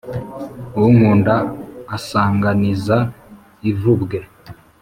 unkunda asanganiza ivubwe,